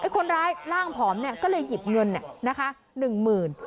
คนร้ายร่างผอมก็เลยหยิบเงินนะคะ๑หมื่น